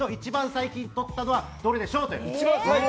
最近、取ったのはどれでしょう？という。